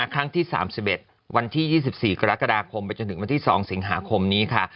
ครั้งที่๓๑วันที่๒๔กรกฎาคมไปจนถึงวันที่๒สิงหาคมนี้ค่ะ